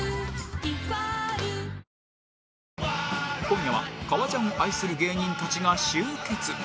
今夜は革ジャンを愛する芸人たちが集結